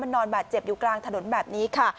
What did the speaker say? นอนบาดเจ็บอยู่กลางถนนแบบนี้ค่ะ